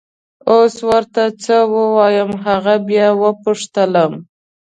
اوس ور ته څه ووایم! هغه بیا وپوښتلم.